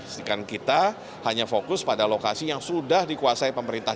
sedangkan kita hanya fokus pada lokasi yang sudah dikuasai pemerintah